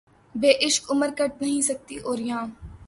بے عشق عمر کٹ نہیں سکتی ہے‘ اور یاں